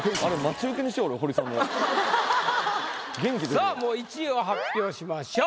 さあもう１位を発表しましょう。